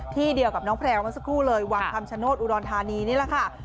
เดียวกับน้องแพลวมาสักครู่เลยวังคำชโนธอุดรธานีนี่แหละค่ะ